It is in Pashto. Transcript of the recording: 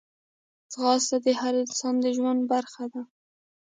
ځغاسته د هر انسان د ژوند برخه ده